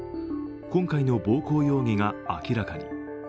今回の暴行容疑が明らかに。